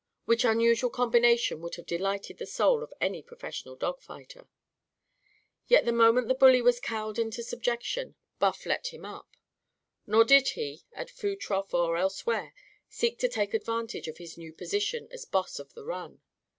Which unusual combination would have delighted the soul of any professional dogfighter. Yet, the moment the bully was cowed into subjection, Buff let him up. Nor did he at food trough or elsewhere seek to take advantage of his new position as boss of the run.